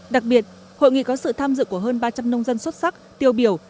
đặc biệt hội nghị có sự tham dự của hơn ba trăm linh nông dân xuất sắc tiêu biểu